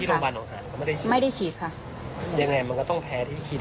ไม่ได้เฉียดค่ะไม่ได้เฉียดค่ะอย่างไรมันก็ต้องแพ้ที่คีนิก